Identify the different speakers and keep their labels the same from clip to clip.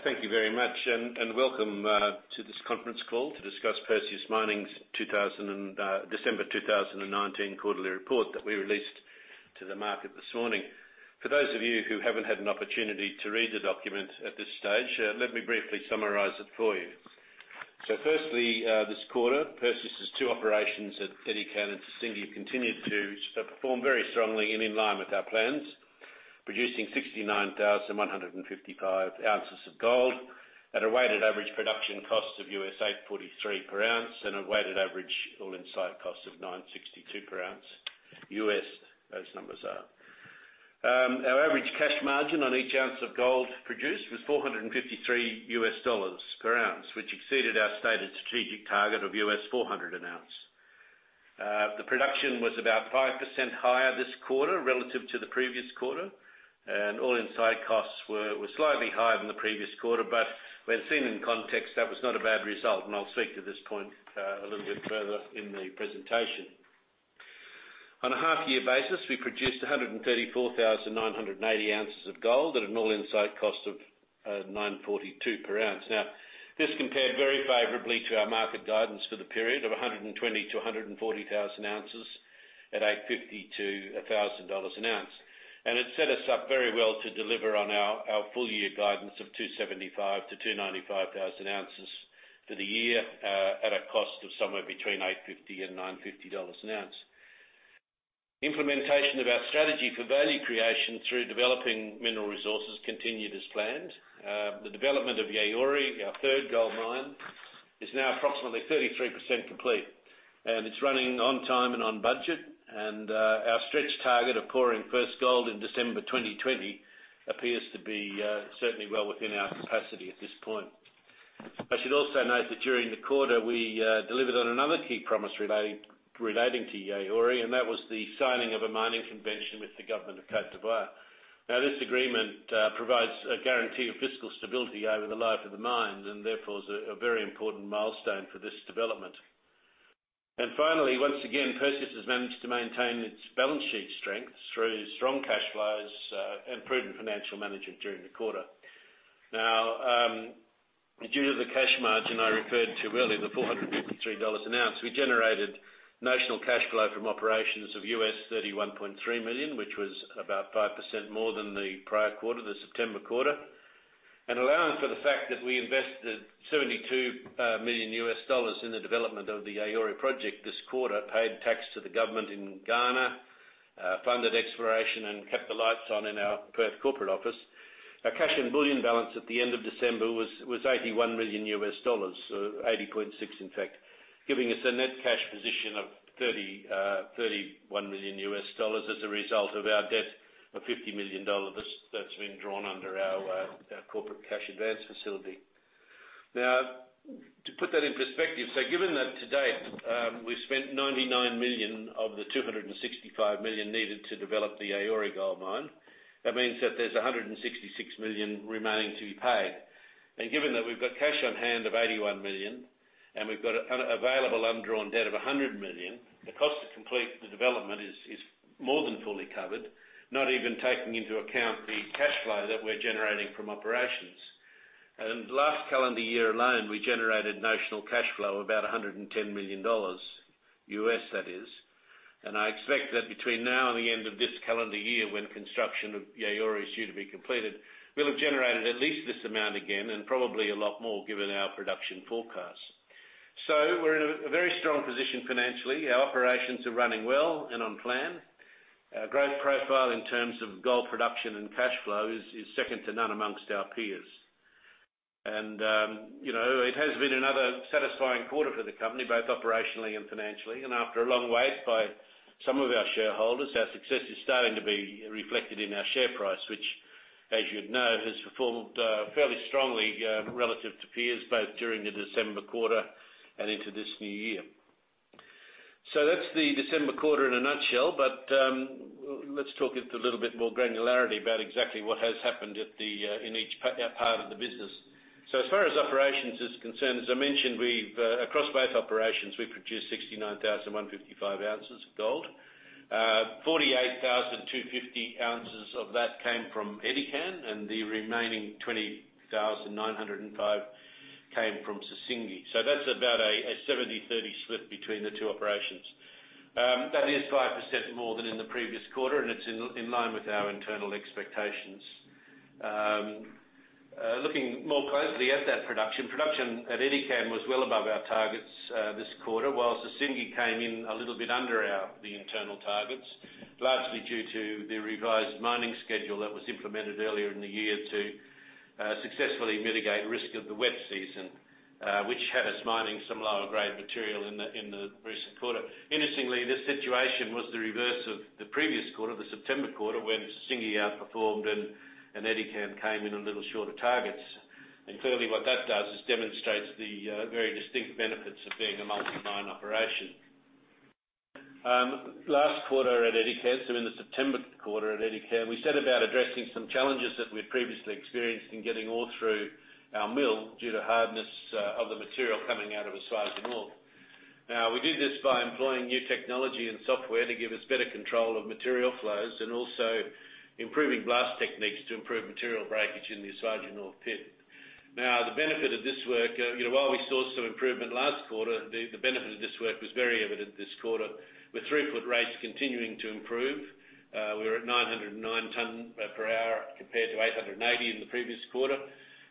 Speaker 1: Thank you very much, and Welcome to this conference call to discuss Perseus Mining's December 2019 quarterly report that we released to the market this morning. For those of you who haven't had an opportunity to read the document at this stage, let me briefly summarize it for you. Firstly, this quarter, Perseus's two operations at Edikan and Sissingué have continued to perform very strongly and in line with our plans, producing 69,155 ounces of gold at a weighted average production cost of $843 per ounce and a weighted average all-in sustaining cost of $962 per ounce, those numbers are. Our average cash margin on each ounce of gold produced was $453 per ounce, which exceeded our stated strategic target of $400 an ounce. The production was about 5% higher this quarter relative to the previous quarter, and all-in sustaining costs were slightly higher than the previous quarter, but when seen in context, that was not a bad result, and I'll speak to this point a little bit further in the presentation. On a half-year basis, we produced 134,980 ounces of gold at an all-in sustaining cost of $942 per ounce. Now, this compared very favorably to our market guidance for the period of 120,000 to 140,000 ounces at $850-$1,000 an ounce, and it set us up very well to deliver on our full-year guidance of 275,000 to 295,000 ounces for the year at a cost of somewhere between $850 and $950 an ounce. Implementation of our strategy for value creation through developing mineral resources continued as planned. The development of Yaouré, our third gold mine, is now approximately 33% complete, and it's running on time and on budget, and our stretch target of pouring first gold in December 2020 appears to be certainly well within our capacity at this point. I should also note that during the quarter, we delivered on another key promise relating to Yaouré, and that was the signing of a mining convention with the government of Côte d'Ivoire. Now, this agreement provides a guarantee of fiscal stability over the life of the mine, and therefore is a very important milestone for this development. Finally, once again, Perseus has managed to maintain its balance sheet strength through strong cash flows and prudent financial management during the quarter. Now, due to the cash margin I referred to earlier, the $453 an ounce, we generated notional cash flow from operations of $31.3 million, which was about 5% more than the prior quarter, the September quarter, and allowing for the fact that we invested $72 million in the development of the Yaouré project this quarter, paid tax to the government in Ghana, funded exploration, and kept the lights on in our Perth corporate office, our cash and bullion balance at the end of December was $81 million, or $80.6 million in fact, giving us a net cash position of $31 million as a result of our debt of $50 million that's been drawn under our corporate cash advance facility. Now, to put that in perspective, so given that to date we've spent $99 million of the $265 million needed to develop the Yaouré gold mine, that means that there's $166 million remaining to be paid. Given that we've got cash on hand of $81 million, and we've got available undrawn debt of $100 million, the cost to complete the development is more than fully covered, not even taking into account the cash flow that we're generating from operations. Last calendar year alone, we generated net cash flow of about $110 million, U.S. that is, and I expect that between now and the end of this calendar year, when construction of Yaouré is due to be completed, we'll have generated at least this amount again, and probably a lot more given our production forecast. We're in a very strong position financially. Our operations are running well and on plan. Our growth profile in terms of gold production and cash flow is second to none among our peers. And it has been another satisfying quarter for the company, both operationally and financially, and after a long wait by some of our shareholders, our success is starting to be reflected in our share price, which, as you'd know, has performed fairly strongly relative to peers both during the December quarter and into this new year. So that's the December quarter in a nutshell, but let's talk a little bit more granularity about exactly what has happened in each part of the business. So as far as operations is concerned, as I mentioned, across both operations, we produced 69,155 ounces of gold. 48,250 ounces of that came from Edikan, and the remaining 20,905 came from Sissingué. That's about a 70/30 split between the two operations. That is 5% more than in the previous quarter, and it's in line with our internal expectations. Looking more closely at that production, production at Edikan was well above our targets this quarter, while Sissingué came in a little bit under the internal targets, largely due to the revised mining schedule that was implemented earlier in the year to successfully mitigate risk of the wet season, which had us mining some lower-grade material in the recent quarter. Interestingly, this situation was the reverse of the previous quarter, the September quarter, when Sissingué outperformed and Edikan came in a little shorter targets. Clearly, what that does is demonstrate the very distinct benefits of being a multi-mine operation. Last quarter at Edikan, so in the September quarter at Edikan, we set about addressing some challenges that we had previously experienced in getting ore through our mill due to hardness of the material coming out of Esuajah North. Now, we did this by employing new technology and software to give us better control of material flows and also improving blast techniques to improve material breakage in the Esuajah North pit. Now, the benefit of this work, while we saw some improvement last quarter, the benefit of this work was very evident this quarter, with throughput rates continuing to improve. We were at 909 tonnes per hour compared to 880 in the previous quarter,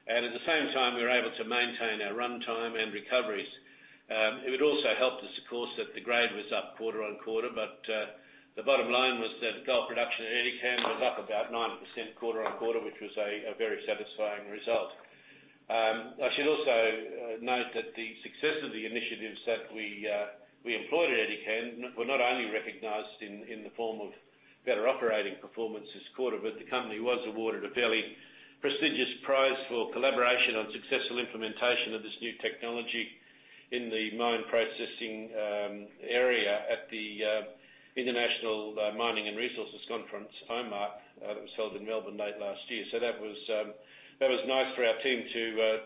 Speaker 1: and at the same time, we were able to maintain our runtime and recoveries. It would also help us, of course, that the grade was up quarter on quarter, but the bottom line was that gold production at Edikan was up about 90% quarter on quarter, which was a very satisfying result. I should also note that the success of the initiatives that we employed at Edikan were not only recognized in the form of better operating performance this quarter, but the company was awarded a fairly prestigious prize for collaboration on successful implementation of this new technology in the mine processing area at the International Mining and Resources Conference, IMARC, that was held in Melbourne late last year. So that was nice for our team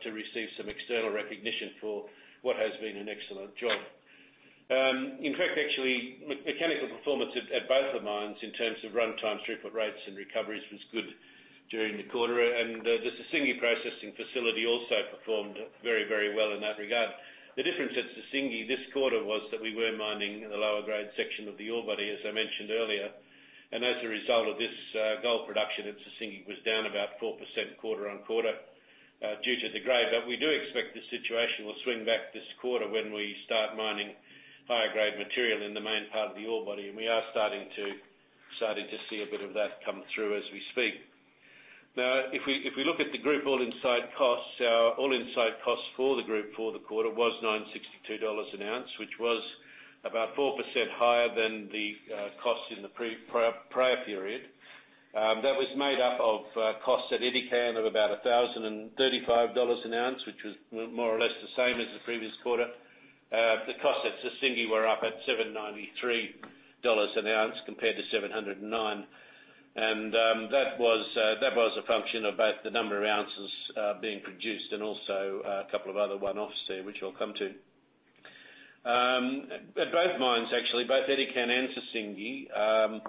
Speaker 1: to receive some external recognition for what has been an excellent job. In fact, actually, mechanical performance at both the mines in terms of runtimes, throughput rates, and recoveries was good during the quarter, and the Sissingué processing facility also performed very, very well in that regard. The difference at Sissingué this quarter was that we were mining the lower-grade section of the ore body, as I mentioned earlier, and as a result of this gold production, Sissingué was down about 4% quarter on quarter due to the grade, but we do expect the situation will swing back this quarter when we start mining higher-grade material in the main part of the ore body, and we are starting to see a bit of that come through as we speak. Now, if we look at the group all-in sustaining costs, our all-in sustaining costs for the group for the quarter was $9.62 an ounce, which was about 4% higher than the cost in the prior period. That was made up of costs at Edikan of about $1,035 an ounce, which was more or less the same as the previous quarter. The cost at Sissingué were up at $793 an ounce compared to $709, and that was a function of both the number of ounces being produced and also a couple of other one-offs there, which we'll come to. At both mines, actually, both Edikan and Sissingué,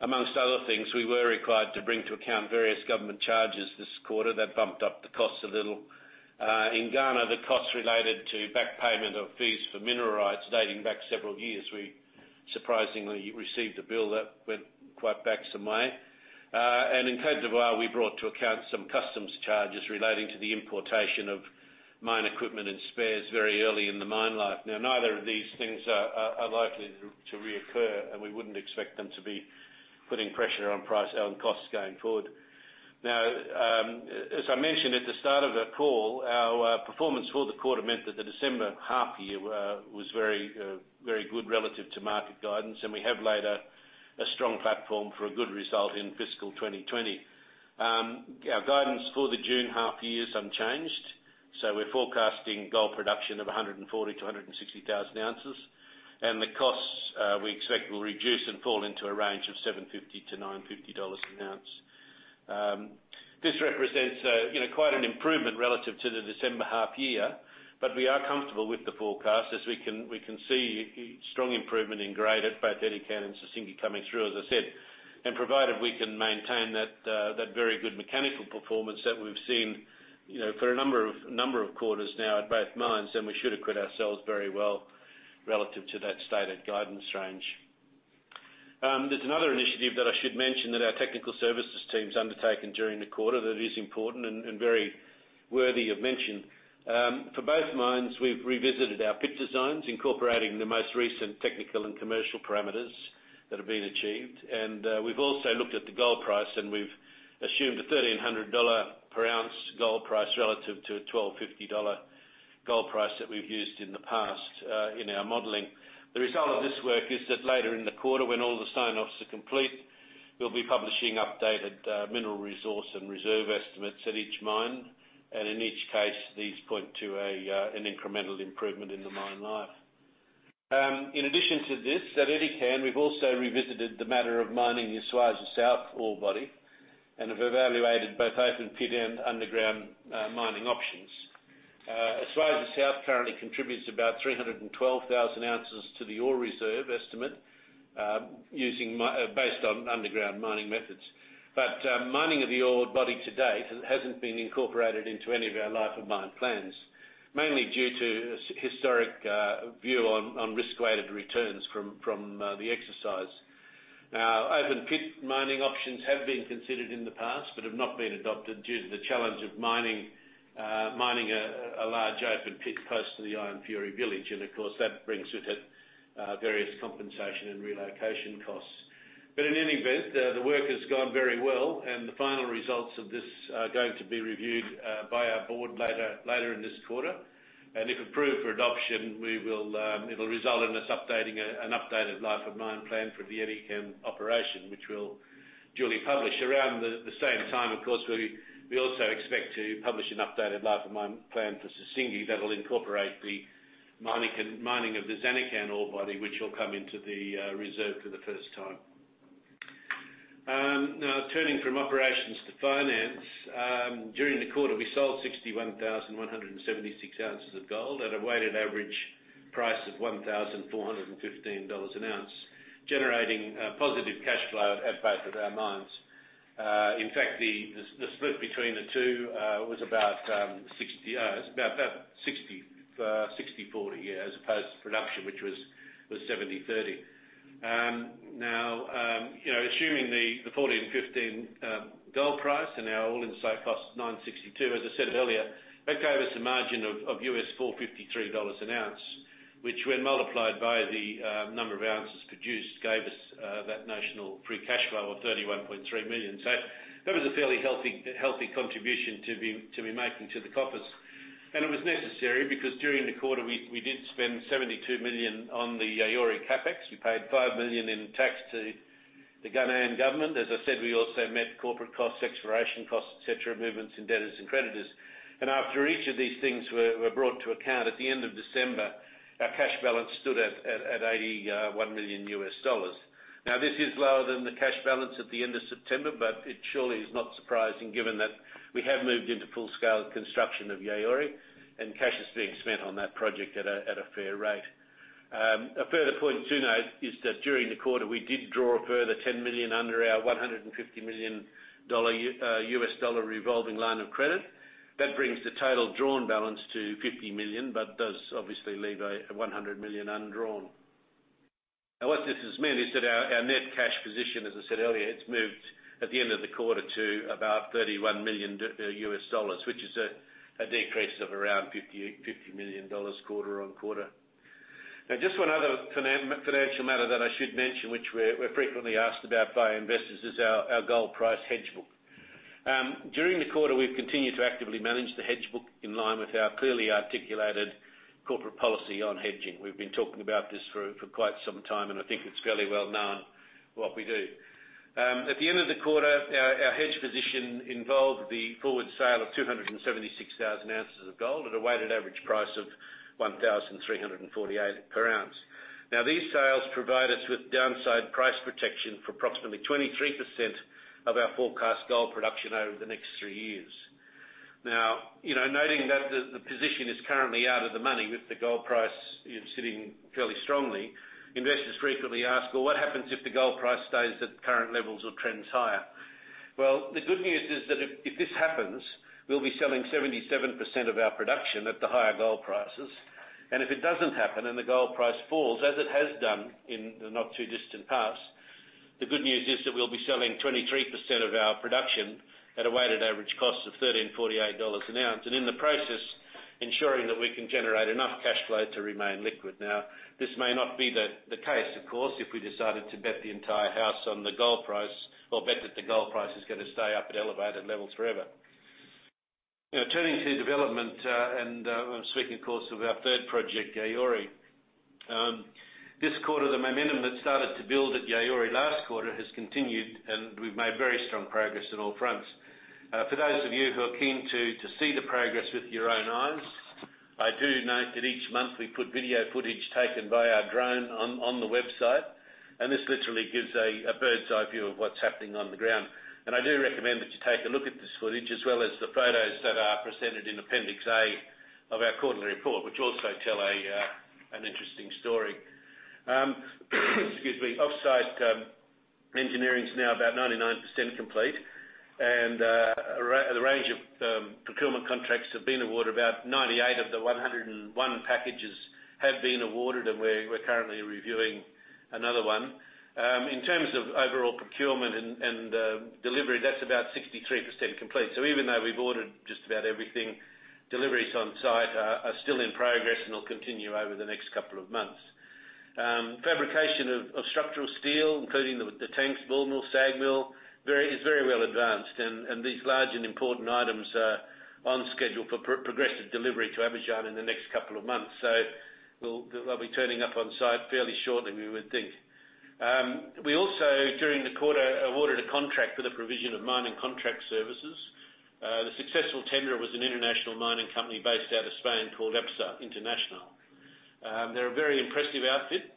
Speaker 1: amongst other things, we were required to bring to account various government charges this quarter that bumped up the cost a little. In Ghana, the costs related to back payment of fees for mineral rights dating back several years, we surprisingly received a bill that went quite back some way, and in Côte d'Ivoire, we brought to account some customs charges relating to the importation of mine equipment and spares very early in the mine life. Now, neither of these things are likely to reoccur, and we wouldn't expect them to be putting pressure on costs going forward. Now, as I mentioned at the start of the call, our performance for the quarter meant that the December half-year was very good relative to market guidance, and we have laid a strong platform for a good result in fiscal 2020. Our guidance for the June half-year is unchanged, so we're forecasting gold production of 140,000-160,000 ounces, and the costs we expect will reduce and fall into a range of $750-$950 an ounce. This represents quite an improvement relative to the December half-year, but we are comfortable with the forecast as we can see strong improvement in grade at both Edikan and Sissingué coming through, as I said, and provided we can maintain that very good mechanical performance that we've seen for a number of quarters now at both mines, then we should equip ourselves very well relative to that stated guidance range. There's another initiative that I should mention that our technical services team's undertaken during the quarter that is important and very worthy of mention. For both mines, we've revisited our pit designs, incorporating the most recent technical and commercial parameters that have been achieved, and we've also looked at the gold price, and we've assumed a $1,300 per ounce gold price relative to a $1,250 gold price that we've used in the past in our modelling. The result of this work is that later in the quarter, when all the sign-offs are complete, we'll be publishing updated mineral resource and reserve estimates at each mine, and in each case, these point to an incremental improvement in the mine life. In addition to this, at Edikan, we've also revisited the matter of mining the Esuajah South ore body and have evaluated both open pit and underground mining options. Esuajah South currently contributes about 312,000 ounces to the ore reserve estimate based on underground mining methods, but mining of the ore body to date hasn't been incorporated into any of our life of mine plans, mainly due to a historic view on risk-weighted returns from the exercise. Now, open pit mining options have been considered in the past but have not been adopted due to the challenge of mining a large open pit close to the Ayanfuri Village, and of course, that brings with it various compensation and relocation costs. But in any event, the work has gone very well, and the final results of this are going to be reviewed by our board later in this quarter, and if approved for adoption, it'll result in us updating an updated life of mine plan for the Edikan operation, which we'll duly publish. Around the same time, of course, we also expect to publish an updated life of mine plan for Sissingué that'll incorporate the mining of the Zanakan ore body, which will come into the reserve for the first time. Now, turning from operations to finance, during the quarter, we sold 61,176 ounces of gold at a weighted average price of $1,415 an ounce, generating positive cash flow at both of our mines. In fact, the split between the two was about 60/40, as opposed to production, which was 70/30. Now, assuming the $4,015 gold price and our all-in sustaining cost of $962, as I said earlier, that gave us a margin of $453 an ounce, which, when multiplied by the number of ounces produced, gave us that net free cash flow of $31.3 million. So that was a fairly healthy contribution to be making to the coffers. It was necessary because during the quarter, we did spend $72 million on the Yaouré CapEx. We paid $5 million in tax to the Ghanaian government. As I said, we also met corporate costs, exploration costs, etc., movements in debtors, and creditors. After each of these things were brought to account at the end of December, our cash balance stood at $81 million. Now, this is lower than the cash balance at the end of September, but it surely is not surprising given that we have moved into full-scale construction of Yaouré, and cash is being spent on that project at a fair rate. A further point to note is that during the quarter, we did draw a further $10 million under our $150 million revolving line of credit. That brings the total drawn balance to $50 million, but does obviously leave a $100 million undrawn. Now, what this has meant is that our net cash position, as I said earlier, it's moved at the end of the quarter to about $31 million which is a decrease of around $50 million quarter on quarter. Now, just one other financial matter that I should mention, which we're frequently asked about by investors, is our gold price hedge book. During the quarter, we've continued to actively manage the hedge book in line with our clearly articulated corporate policy on hedging. We've been talking about this for quite some time, and I think it's fairly well known what we do. At the end of the quarter, our hedge position involved the forward sale of 276,000 ounces of gold at a weighted average price of $1,348 per ounce. Now, these sales provide us with downside price protection for approximately 23% of our forecast gold production over the next three years. Now, noting that the position is currently out of the money with the gold price sitting fairly strongly, investors frequently ask, "Well, what happens if the gold price stays at current levels or trends higher?" Well, the good news is that if this happens, we'll be selling 77% of our production at the higher gold prices, and if it doesn't happen and the gold price falls, as it has done in the not-too-distant past, the good news is that we'll be selling 23% of our production at a weighted average cost of $1,348 an ounce, and in the process, ensuring that we can generate enough cash flow to remain liquid. Now, this may not be the case, of course, if we decided to bet the entire house on the gold price or bet that the gold price is going to stay up at elevated levels forever. Now, turning to development and speaking, of course, of our third project, Yaouré. This quarter, the momentum that started to build at Yaouré last quarter has continued, and we've made very strong progress on all fronts. For those of you who are keen to see the progress with your own eyes, I do note that each month we put video footage taken by our drone on the website, and this literally gives a bird's-eye view of what's happening on the ground. And I do recommend that you take a look at this footage as well as the photos that are presented in Appendix A of our quarterly report, which also tell an interesting story. Excuse me. Off-site engineering is now about 99% complete, and the range of procurement contracts have been awarded. About 98 of the 101 packages have been awarded, and we're currently reviewing another one. In terms of overall procurement and delivery, that's about 63% complete. So even though we've ordered just about everything, deliveries on site are still in progress and will continue over the next couple of months. Fabrication of structural steel, including the tanks, ball mill, SAG mill, is very well advanced, and these large and important items are on schedule for progressive delivery to Abidjan in the next couple of months, so they'll be turning up on site fairly shortly, we would think. We also, during the quarter, awarded a contract for the provision of mining contract services. The successful tender was an international mining company based out of Spain called EPSA Internacional. They're a very impressive outfit,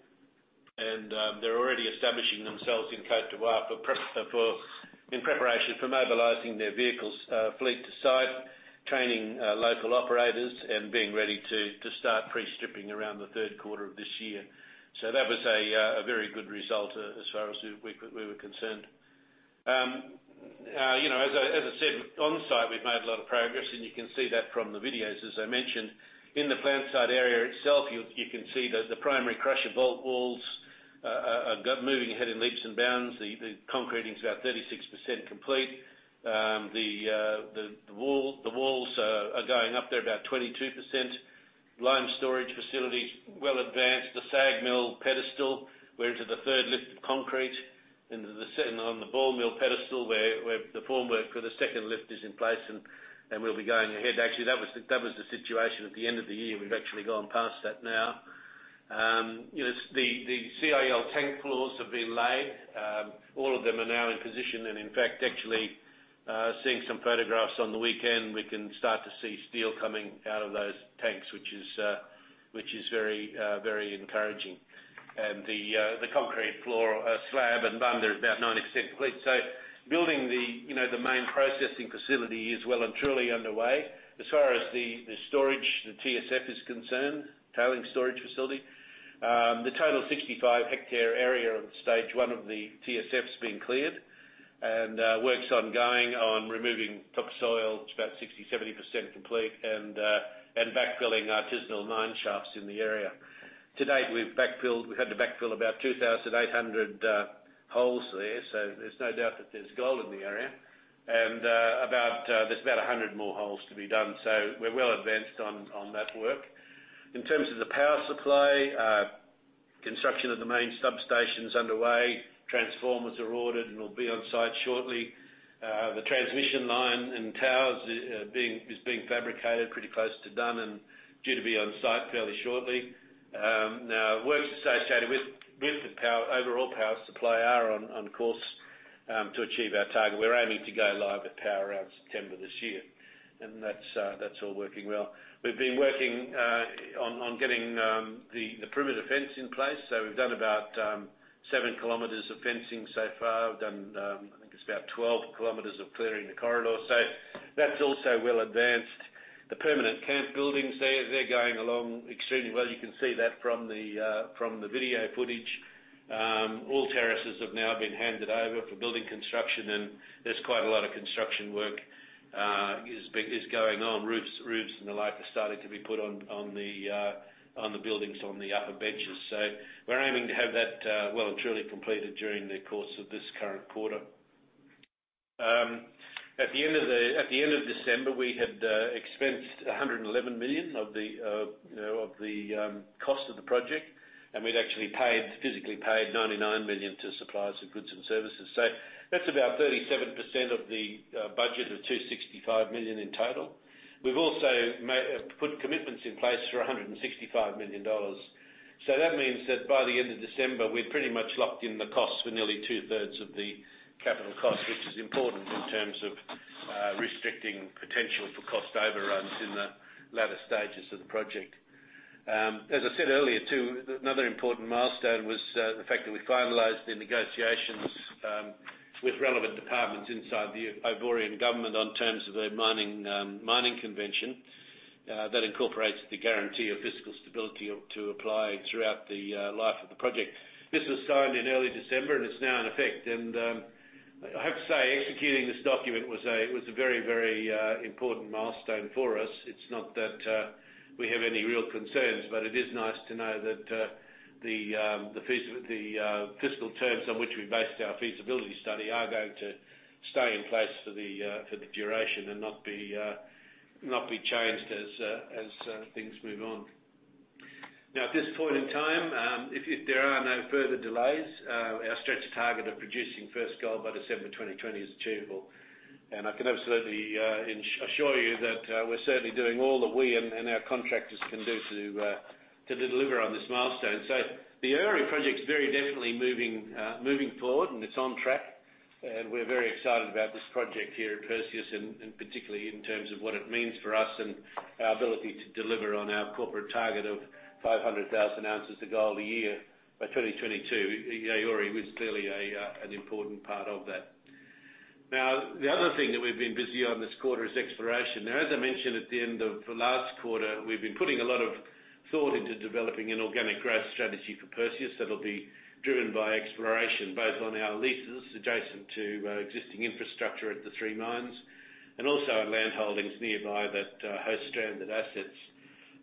Speaker 1: and they're already establishing themselves in Côte d'Ivoire in preparation for mobilizing their vehicle fleet to site, training local operators, and being ready to start pre-stripping around the third quarter of this year. So that was a very good result as far as we were concerned. As I said, on-site, we've made a lot of progress, and you can see that from the videos, as I mentioned. In the plant site area itself, you can see that the primary crusher vault walls are moving ahead in leaps and bounds. The concreting's about 36% complete. The walls are going up there about 22%. The lime storage facility's well advanced. The SAG mill pedestal, we're into the third lift of concrete, and on the ball mill pedestal, where the formwork for the second lift is in place, and we'll be going ahead. Actually, that was the situation at the end of the year. We've actually gone past that now. The CIL tank floors have been laid. All of them are now in position, and in fact, actually seeing some photographs on the weekend, we can start to see steel coming out of those tanks, which is very encouraging, and the concrete floor slab and bund are about 90% complete. So building the main processing facility is well and truly underway. As far as the storage, the TSF is concerned, tailings storage facility. The total 65-hectare area of stage one of the TSF's been cleared and works ongoing on removing topsoil. It's about 60%-70% complete and backfilling artisanal mine shafts in the area. To date, we've had to backfill about 2,800 holes there, so there's no doubt that there's gold in the area. There's about 100 more holes to be done, so we're well advanced on that work. In terms of the power supply, construction of the main substation's underway. Transformers are ordered and will be on site shortly. The transmission line and towers are being fabricated, pretty close to done, and due to be on site fairly shortly. Now, the work associated with the overall power supply are on course to achieve our target. We're aiming to go live with power around September this year, and that's all working well. We've been working on getting the perimeter fence in place, so we've done about seven km of fencing so far. We've done, I think it's about 12 km of clearing the corridor, so that's also well advanced. The permanent camp buildings, they're going along extremely well. You can see that from the video footage. All terraces have now been handed over for building construction, and there's quite a lot of construction work going on. Roofs and the like are starting to be put on the buildings on the upper benches, so we're aiming to have that well and truly completed during the course of this current quarter. At the end of December, we had expensed $111 million of the cost of the project, and we'd actually physically paid $99 million to suppliers of goods and services. So that's about 37% of the budget of $265 million in total. We've also put commitments in place for $165 million. So that means that by the end of December, we're pretty much locked in the cost for nearly two-thirds of the capital cost, which is important in terms of restricting potential for cost overruns in the latter stages of the project. As I said earlier, too, another important milestone was the fact that we finalized the negotiations with relevant departments inside the Ivorian government on terms of a mining convention that incorporates the guarantee of fiscal stability to apply throughout the life of the project. This was signed in early December, and it's now in effect and I have to say, executing this document was a very, very important milestone for us. It's not that we have any real concerns, but it is nice to know that the fiscal terms on which we based our feasibility study are going to stay in place for the duration and not be changed as things move on. Now, at this point in time, if there are no further delays, our stretch target of producing first gold by December 2020 is achievable. I can absolutely assure you that we're certainly doing all that we and our contractors can do to deliver on this milestone. The Yaouré project's very definitely moving forward, and it's on track. We're very excited about this project here at Perseus, and particularly in terms of what it means for us and our ability to deliver on our corporate target of 500,000 ounces of gold a year by 2022. Yaouré was clearly an important part of that. Now, the other thing that we've been busy on this quarter is exploration. Now, as I mentioned at the end of last quarter, we've been putting a lot of thought into developing an organic growth strategy for Perseus that'll be driven by exploration, both on our leases adjacent to existing infrastructure at the three mines and also at landholdings nearby that host stranded assets.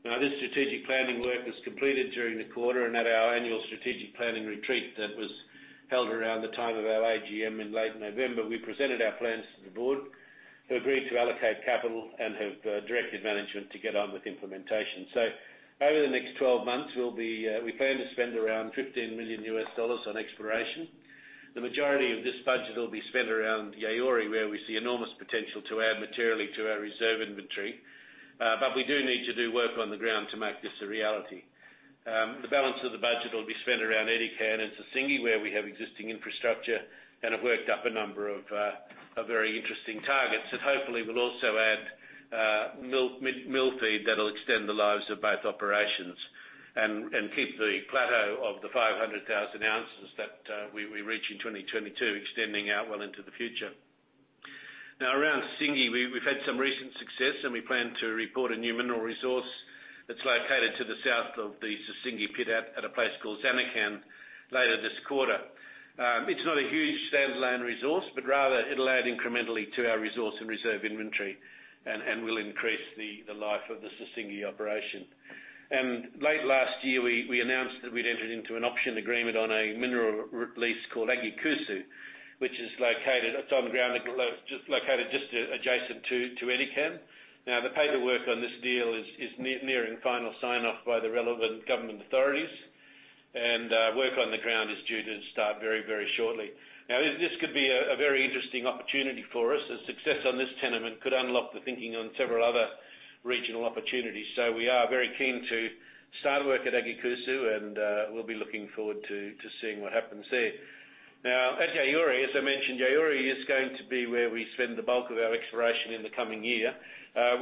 Speaker 1: Now, this strategic planning work was completed during the quarter, and at our annual strategic planning retreat that was held around the time of our AGM in late November, we presented our plans to the board, who agreed to allocate capital and have directed management to get on with implementation. So over the next 12 months, we plan to spend around $15 million on exploration. The majority of this budget will be spent around Yaouré, where we see enormous potential to add materially to our reserve inventory. But we do need to do work on the ground to make this a reality. The balance of the budget will be spent around Edikan and Sissingué, where we have existing infrastructure and have worked up a number of very interesting targets that hopefully will also add mill feed that'll extend the lives of both operations and keep the plateau of the 500,000 ounces that we reach in 2022, extending out well into the future. Now, around Sissingué, we've had some recent success, and we plan to report a new mineral resource that's located to the south of the Sissingué pit at a place called Zanakan later this quarter. It's not a huge standalone resource, but rather it'll add incrementally to our resource and reserve inventory and will increase the life of the Sissingué operation. And late last year, we announced that we'd entered into an option agreement on a mineral release called Agyakusu, which is located just adjacent to Edikan. Now, the paperwork on this deal is nearing final sign-off by the relevant government authorities, and work on the ground is due to start very, very shortly. Now, this could be a very interesting opportunity for us. The success on this tenement could unlock the thinking on several other regional opportunities. So we are very keen to start work at Agyakusu, and we'll be looking forward to seeing what happens there. Now, at Yaouré, as I mentioned, Yaouré is going to be where we spend the bulk of our exploration in the coming year.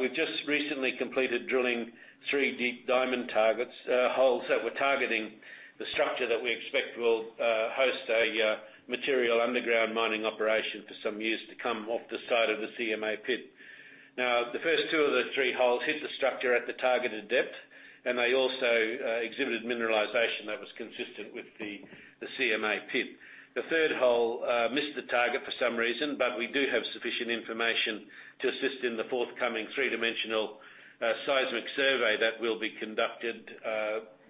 Speaker 1: We've just recently completed drilling three deep diamond targets, holes that were targeting the structure that we expect will host a material underground mining operation for some years to come off the side of the CMA pit. Now, the first two of the three holes hit the structure at the targeted depth, and they also exhibited mineralization that was consistent with the CMA pit. The third hole missed the target for some reason, but we do have sufficient information to assist in the forthcoming three-dimensional seismic survey that will be conducted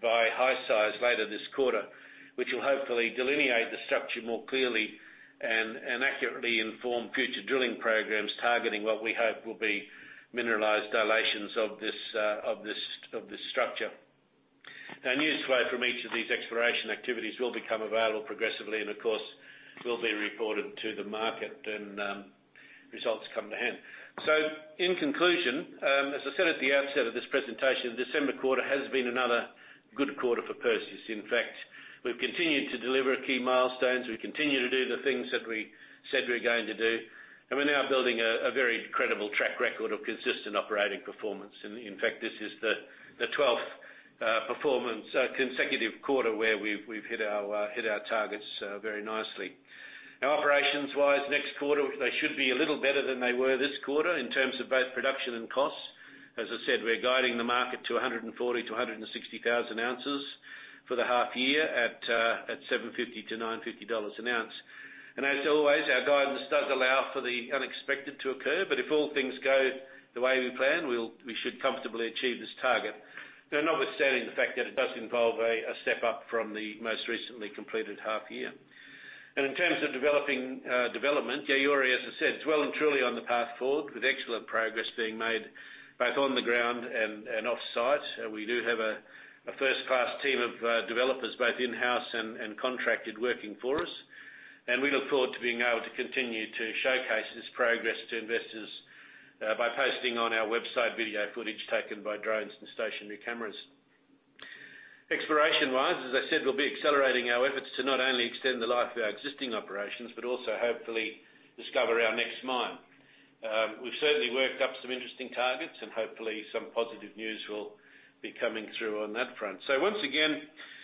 Speaker 1: by HiSeis later this quarter, which will hopefully delineate the structure more clearly and accurately inform future drilling programs targeting what we hope will be mineralized dilations of this structure. Now, news from each of these exploration activities will become available progressively and, of course, will be reported to the market when results come to hand. So, in conclusion, as I said at the outset of this presentation, the December quarter has been another good quarter for Perseus. In fact, we've continued to deliver key milestones. We continue to do the things that we said we're going to do, and we're now building a very credible track record of consistent operating performance. In fact, this is the 12th consecutive quarter where we've hit our targets very nicely. Now, operations-wise, next quarter, they should be a little better than they were this quarter in terms of both production and costs. As I said, we're guiding the market to 140,000 to 160,000 ounces for the half year at $750-$950 an ounce. And as always, our guidance does allow for the unexpected to occur, but if all things go the way we plan, we should comfortably achieve this target. Now, notwithstanding the fact that it does involve a step up from the most recently completed half year. In terms of development, Yaouré, as I said, is well and truly on the path forward with excellent progress being made both on the ground and off-site. We do have a first-class team of developers, both in-house and contracted, working for us, and we look forward to being able to continue to showcase this progress to investors by posting on our website video footage taken by drones and stationary cameras. Exploration-wise, as I said, we'll be accelerating our efforts to not only extend the life of our existing operations but also hopefully discover our next mine. We've certainly worked up some interesting targets, and hopefully, some positive news will be coming through on that front. Once again,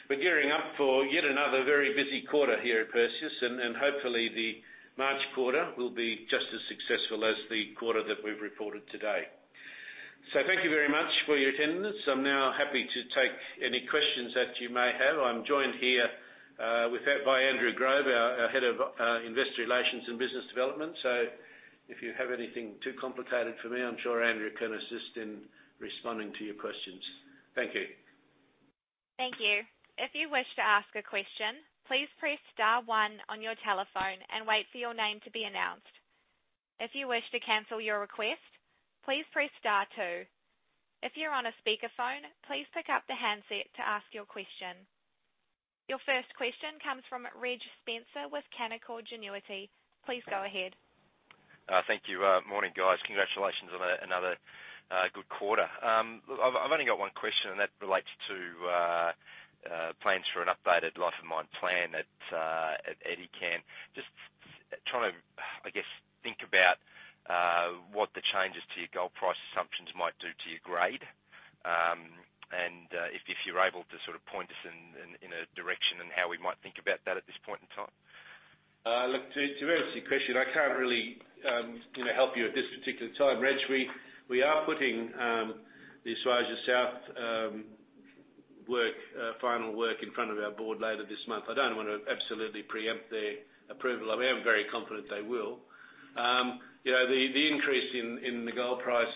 Speaker 1: we're gearing up for yet another very busy quarter here at Perseus, and hopefully, the March quarter will be just as successful as the quarter that we've reported today. So thank you very much for your attendance. I'm now happy to take any questions that you may have. I'm joined here by Andrew Grove, our head of investor relations and business development. So if you have anything too complicated for me, I'm sure Andrew can assist in responding to your questions. Thank you.
Speaker 2: Thank you. If you wish to ask a question, please press star one on your telephone and wait for your name to be announced. If you wish to cancel your request, please press star two. If you're on a speakerphone, please pick up the handset to ask your question. Your first question comes from Reg Spencer with Canaccord Genuity. Please go ahead.
Speaker 3: Thank you. Morning, guys. Congratulations on another good quarter. I've only got one question, and that relates to plans for an updated life of mine plan at Edikan. Just trying to, I guess, think about what the changes to your gold price assumptions might do to your grade. And if you're able to sort of point us in a direction and how we might think about that at this point in time.
Speaker 1: Look, to answer your question, I can't really help you at this particular time. Reg, we are putting the Esuajah South final work in front of our board later this month. I don't want to absolutely preempt their approval. I am very confident they will. The increase in the gold price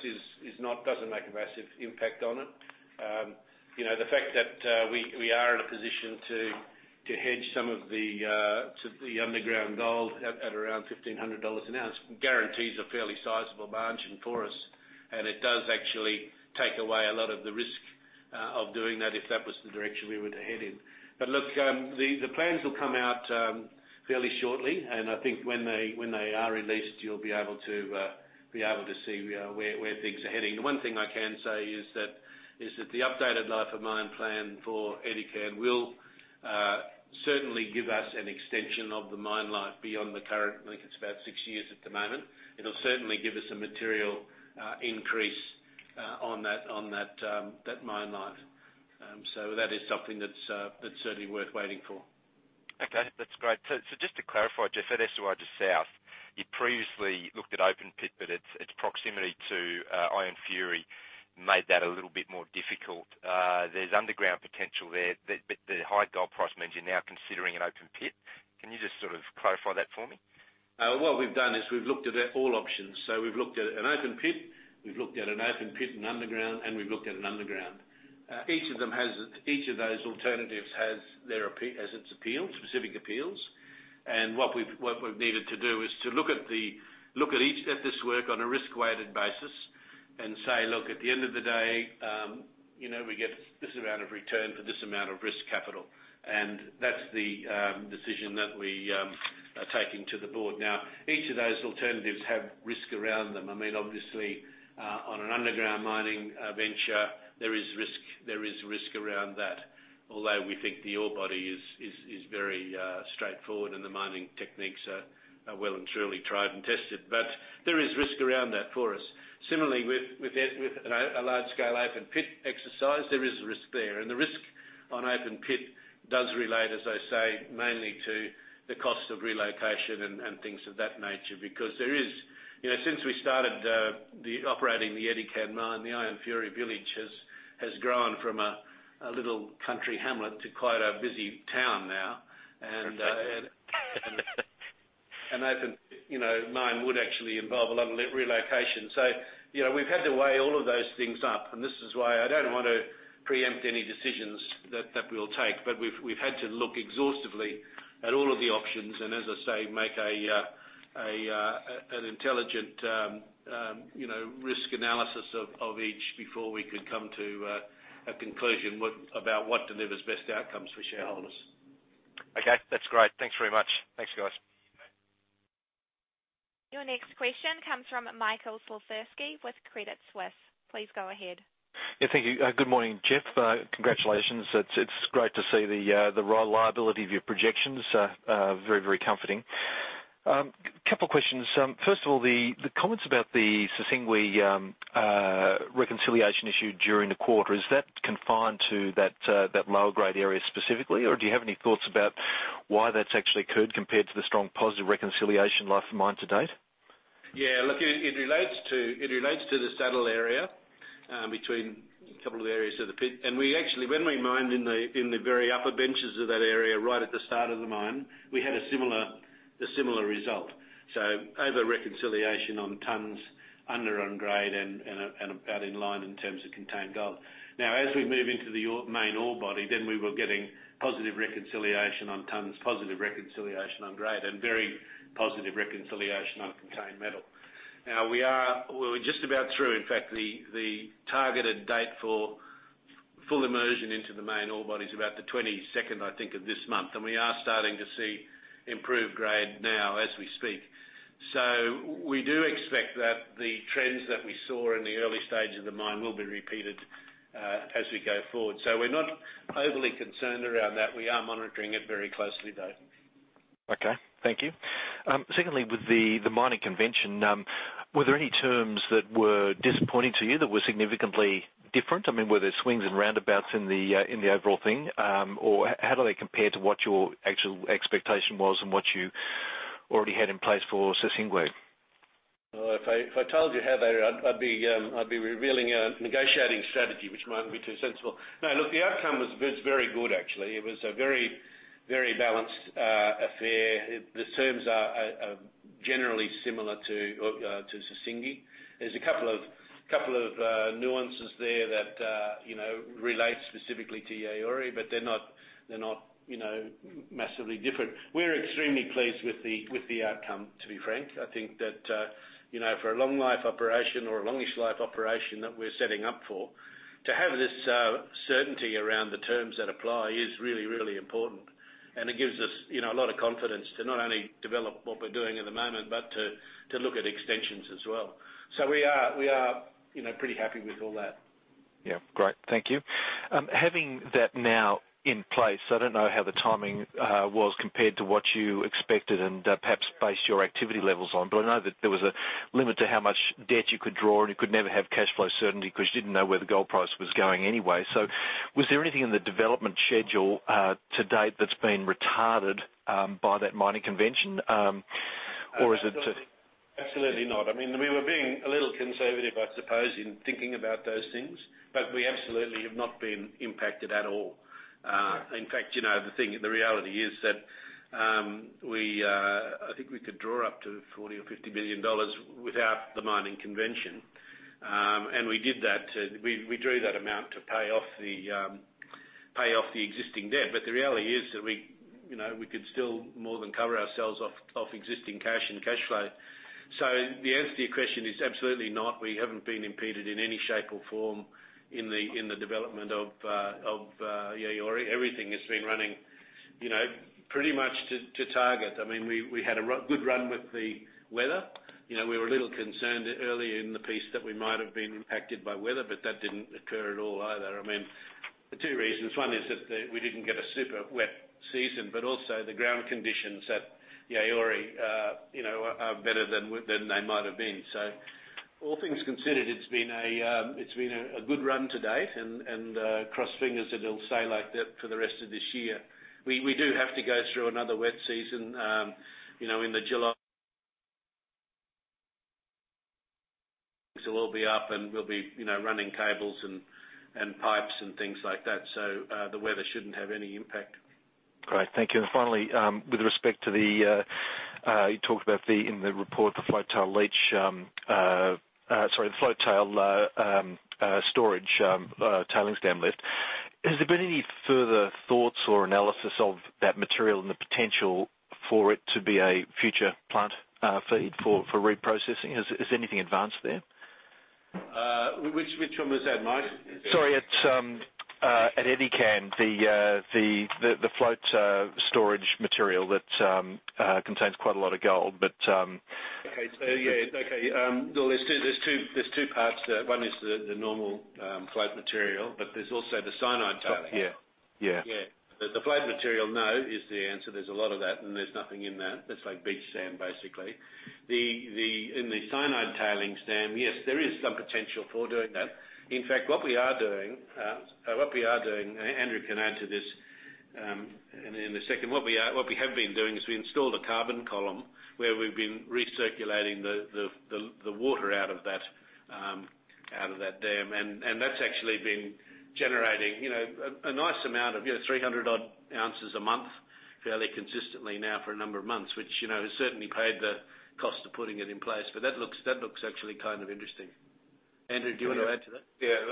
Speaker 1: doesn't make a massive impact on it. The fact that we are in a position to hedge some of the underground gold at around $1,500 an ounce guarantees a fairly sizable margin for us, and it does actually take away a lot of the risk of doing that if that was the direction we were to head in. But look, the plans will come out fairly shortly, and I think when they are released, you'll be able to see where things are heading. The one thing I can say is that the updated life of mine plan for Edikan will certainly give us an extension of the mine life beyond the current, I think it's about six years at the moment. It'll certainly give us a material increase on that mine life. So that is something that's certainly worth waiting for.
Speaker 3: Okay. That's great. So just to clarify, Jeff, at Esuajah South, you previously looked at open pit, but its proximity to Ayanfuri made that a little bit more difficult. There's underground potential there, but the high gold price means you're now considering an open pit. Can you just sort of clarify that for me?
Speaker 1: What we've done is we've looked at all options. So we've looked at an open pit, we've looked at an open pit and underground, and we've looked at an underground. Each of those alternatives has its specific appeals. And what we've needed to do is to look at this work on a risk-weighted basis and say, "Look, at the end of the day, we get this amount of return for this amount of risk capital." And that's the decision that we are taking to the board. Now, each of those alternatives have risk around them. I mean, obviously, on an underground mining venture, there is risk around that, although we think the ore body is very straightforward and the mining techniques are well and truly tried and tested. But there is risk around that for us. Similarly, with a large-scale open pit exercise, there is risk there. The risk on open pit does relate, as I say, mainly to the cost of relocation and things of that nature because, since we started operating the Edikan mine, the Ayanfuri village has grown from a little country hamlet to quite a busy town now, and open mine would actually involve a lot of relocation. So we've had to weigh all of those things up, and this is why I don't want to preempt any decisions that we'll take. We've had to look exhaustively at all of the options and, as I say, make an intelligent risk analysis of each before we could come to a conclusion about what delivers best outcomes for shareholders.
Speaker 3: Okay. That's great. Thanks very much. Thanks, guys.
Speaker 2: Your next question comes from Michael Slifirski with Credit Suisse. Please go ahead.
Speaker 4: Yeah. Thank you. Good morning, Jeff. Congratulations. It's great to see the reliability of your projections. Very, very comforting. Couple of questions. First of all, the comments about the Sissingué reconciliation issue during the quarter, is that confined to that lower-grade area specifically, or do you have any thoughts about why that's actually occurred compared to the strong positive reconciliation life of mine to date?
Speaker 1: Yeah. Look, it relates to the saddle area between a couple of areas of the pit. And when we mined in the very upper benches of that area right at the start of the mine, we had a similar result. So over reconciliation on tonnes under on grade and about in line in terms of contained gold. Now, as we move into the main ore body, then we were getting positive reconciliation on tonnes, positive reconciliation on grade, and very positive reconciliation on contained metal. Now, we're just about through. In fact, the targeted date for full immersion into the main ore body is about the 22nd, I think, of this month, and we are starting to see improved grade now as we speak. So we do expect that the trends that we saw in the early stage of the mine will be repeated as we go forward. So we're not overly concerned around that. We are monitoring it very closely, though.
Speaker 4: Okay. Thank you. Secondly, with the mining convention, were there any terms that were disappointing to you that were significantly different? I mean, were there swings and roundabouts in the overall thing, or how do they compare to what your actual expectation was and what you already had in place for Sissingué?
Speaker 1: If I told you how they were, I'd be revealing a negotiating strategy, which might not be too sensible. No, look, the outcome was very good, actually. It was a very balanced affair. The terms are generally similar to Sissingué. There's a couple of nuances there that relate specifically to Yaouré, but they're not massively different. We're extremely pleased with the outcome, to be frank. I think that for a long-life operation or a long-ish life operation that we're setting up for, to have this certainty around the terms that apply is really, really important, and it gives us a lot of confidence to not only develop what we're doing at the moment but to look at extensions as well, so we are pretty happy with all that.
Speaker 4: Yeah. Great. Thank you. Having that now in place, I don't know how the timing was compared to what you expected and perhaps based your activity levels on, but I know that there was a limit to how much debt you could draw, and you could never have cash flow certainty because you didn't know where the gold price was going anyway. So was there anything in the development schedule to date that's been retarded by that financing covenant, or is it?
Speaker 1: Absolutely not. I mean, we were being a little conservative, I suppose, in thinking about those things, but we absolutely have not been impacted at all. In fact, the reality is that I think we could draw up to $40 million or $50 million without the mining convention. And we did that. We drew that amount to pay off the existing debt, but the reality is that we could still more than cover ourselves off existing cash and cash flow. So the answer to your question is absolutely not. We haven't been impeded in any shape or form in the development of Yaouré. Everything has been running pretty much to target. I mean, we had a good run with the weather. We were a little concerned earlier in the piece that we might have been impacted by weather, but that didn't occur at all either. I mean, for two reasons. One is that we didn't get a super wet season, but also the ground conditions at Yaouré are better than they might have been. So all things considered, it's been a good run to date, and cross fingers that it'll stay like that for the rest of this year. We do have to go through another wet season in July. Things will all be up, and we'll be running cables and pipes and things like that. So the weather shouldn't have any impact.
Speaker 4: Great. Thank you. And finally, with respect to the, you talked about in the report the old tailings leach, sorry, the old tailings storage facility dam lift. Has there been any further thoughts or analysis of that material and the potential for it to be a future plant feed for reprocessing? Is anything advanced there?
Speaker 1: Which one was that, Mike?
Speaker 4: Sorry. At Edikan, the float storage material that contains quite a lot of gold, but.
Speaker 1: Well, there's two parts. One is the normal float material, but there's also the cyanide tailings.
Speaker 4: Yeah. Yeah.
Speaker 1: Yeah. The float material, no, is the answer. There's a lot of that, and there's nothing in that. That's like beach sand, basically. In the cyanide tailings dam, yes, there is some potential for doing that. In fact, what we are doing—Andrew can add to this in a second. What we have been doing is we installed a carbon column where we've been recirculating the water out of that dam, and that's actually been generating a nice amount of 300-odd ounces a month fairly consistently now for a number of months, which has certainly paid the cost of putting it in place. But that looks actually kind of interesting. Andrew, do you want to add to that?
Speaker 5: Yeah.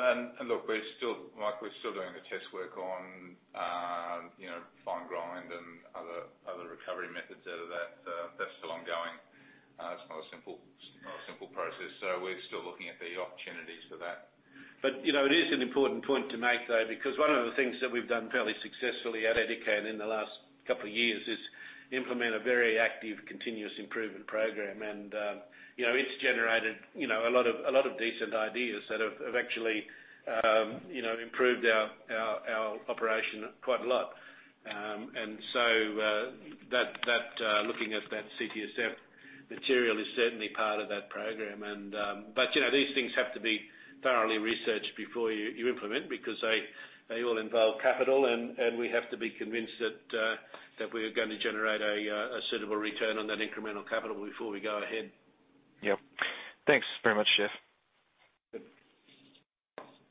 Speaker 5: Look, Mike, we're still doing the test work on fine grind and other recovery methods out of that. That's still ongoing. It's not a simple process. So we're still looking at the opportunities for that.
Speaker 1: But it is an important point to make, though, because one of the things that we've done fairly successfully at Edikan in the last couple of years is implement a very active continuous improvement program, and it's generated a lot of decent ideas that have actually improved our operation quite a lot, and so looking at that CTSF material is certainly part of that program, but these things have to be thoroughly researched before you implement because they all involve capital, and we have to be convinced that we're going to generate a suitable return on that incremental capital before we go ahead.
Speaker 4: Yep. Thanks very much, Jeff.
Speaker 1: Good.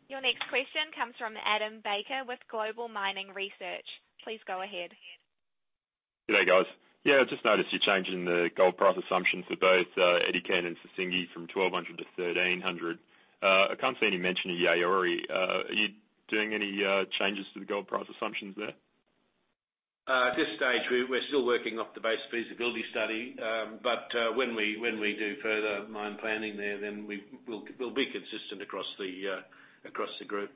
Speaker 2: Your next question comes from Adam Baker with Global Mining Research. Please go ahead.
Speaker 6: Good day, guys. Yeah. I just noticed you're changing the gold price assumption for both Edikan and Sissingué from $1,200-$1,300. I can't see any mention of Yaouré. Are you doing any changes to the gold price assumptions there?
Speaker 1: At this stage, we're still working off the base feasibility study, but when we do further mine planning there, then we'll be consistent across the group.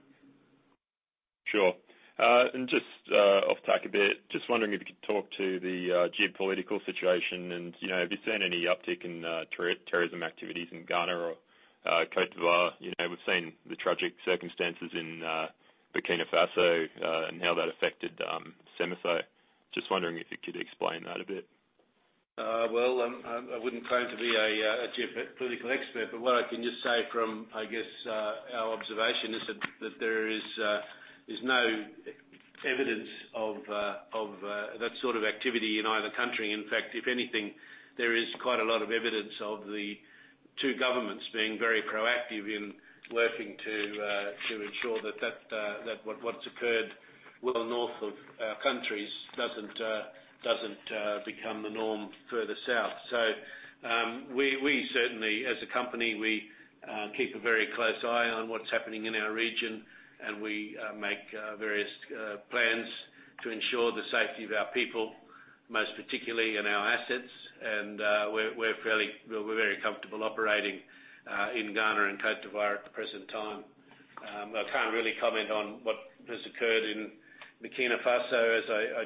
Speaker 6: Sure. And just off the topic a bit, just wondering if you could talk to the geopolitical situation, and have you seen any uptick in terrorism activities in Ghana or Côte d'Ivoire? We've seen the tragic circumstances in Burkina Faso and how that affected Semafo. Just wondering if you could explain that a bit.
Speaker 1: I wouldn't claim to be a geopolitical expert, but what I can just say from, I guess, our observation is that there is no evidence of that sort of activity in either country. In fact, if anything, there is quite a lot of evidence of the two governments being very proactive in working to ensure that what's occurred well north of our countries doesn't become the norm further south. So we certainly, as a company, we keep a very close eye on what's happening in our region, and we make various plans to ensure the safety of our people, most particularly in our assets. And we're very comfortable operating in Ghana and Côte d'Ivoire at the present time. I can't really comment on what has occurred in Burkina Faso as I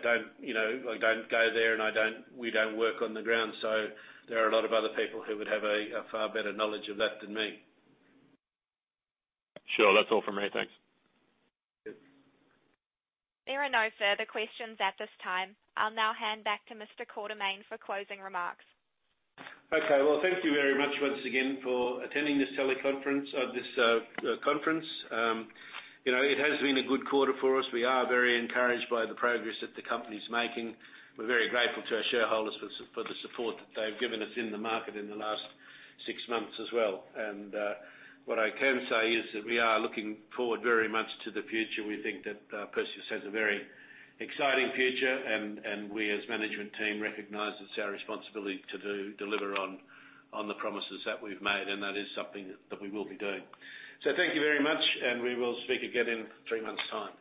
Speaker 1: don't go there, and we don't work on the ground, so there are a lot of other people who would have a far better knowledge of that than me.
Speaker 6: Sure. That's all from me. Thanks.
Speaker 2: There are no further questions at this time. I'll now hand back to Mr. Quartermaine for closing remarks.
Speaker 1: Okay. Well, thank you very much once again for attending this teleconference of this conference. It has been a good quarter for us. We are very encouraged by the progress that the company's making. We're very grateful to our shareholders for the support that they've given us in the market in the last six months as well. And what I can say is that we are looking forward very much to the future. We think that Perseus has a very exciting future, and we, as management team, recognize it's our responsibility to deliver on the promises that we've made, and that is something that we will be doing. So thank you very much, and we will speak again in three months' time.